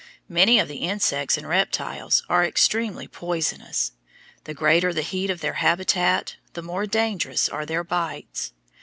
Many of the insects and reptiles are extremely poisonous; the greater the heat of their habitat, the more dangerous are their bites.